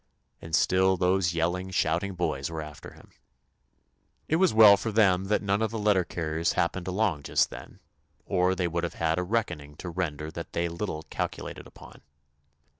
And still those yelling, shouting boys were after him. It was well for them that none of the letter carriers happened along just then, or they would have had a reckoning to render that they little calculated upon.